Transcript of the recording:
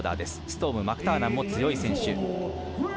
ストーム、マクターナンも強い選手。